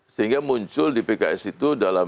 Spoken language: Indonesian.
sehingga muncul di pks itu dalam